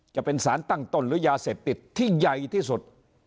จะเป็นสารตั้งต้นหรือยาเสพติดที่ใหญ่ที่สุด